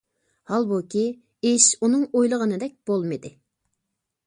ھالبۇكى ئىش ئۇنىڭ ئويلىغىنىدەك بولمىدى.